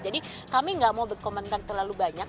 jadi kami enggak mau berkomentar terlalu banyak